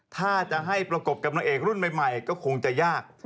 ถ้าจะให้ประกบกับนางเอกรุ่นใหม่ก็คงจะยาก